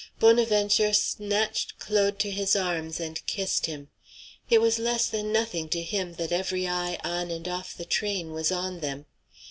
Bonaventure snatched Claude to his arms and kissed him. It was less than nothing to him that every eye on and off the train was on them.